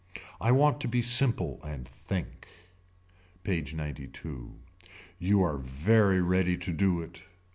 I want to be simple and think. PAGE XCII. You are very ready to do it.